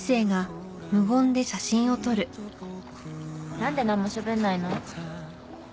なんでなんもしゃべんないの？